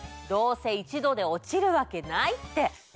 どうせ一度で落ちるわけないって！